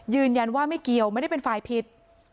ยืนยันว่าไม่เกี่ยวไม่ได้เป็นฝ่ายผิด